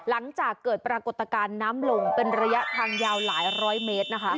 หลังจากเกิดปรากฏการณ์น้ำลงเป็นระยะทางยาวหลายร้อยเมตรนะคะ